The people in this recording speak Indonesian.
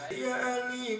jadil karyawancara untuk kita